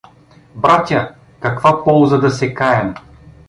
— Братя, каква полза да се каем?